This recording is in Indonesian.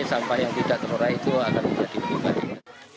dan sampah yang tidak terpulai itu akan menjadi kegiatan